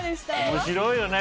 面白いよね